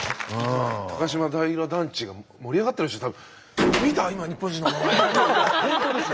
高島平団地が盛り上がってるでしょ